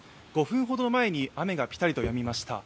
５分ほど前に雨がぴたりとやみました。